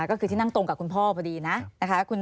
ก็คือที่นั่งตรงกับคุณพ่อพอดีนะนะคะ